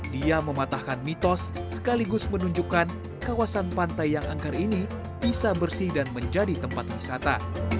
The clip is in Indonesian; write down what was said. dia mematahkan mitos sekaligus menunjukkan kawasan pantai yang angker ini bisa bersih dan menjadi tempat wisata